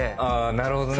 なるほどね。